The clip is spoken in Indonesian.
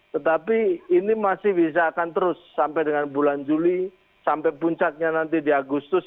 tetapi ini masih bisa akan terus sampai dengan bulan juli sampai puncaknya nanti di agustus